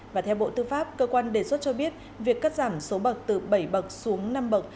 và theo bộ tư pháp cơ quan đề xuất cho biết việc cắt giảm số bậc từ bảy bậc xuống năm bậc